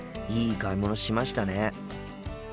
いい買い物しましたね。